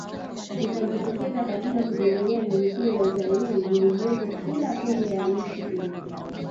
Tutajitokeza katika kutembelea vivutia vya utalii vilivyopo kila pembe ya nchi yetu